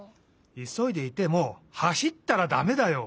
いそいでいてもはしったらだめだよ。